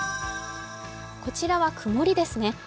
こちらは曇りですね。